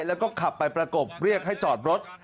แล้วก็ขับไปประกบเรียกให้จอดรถ